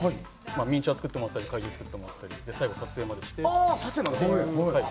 ミニチュアを作ってもらったり怪獣を作ってもらったり最後、撮影までして。